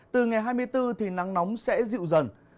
từ ngày hai mươi bốn thì nắng nóng sẽ dịu dần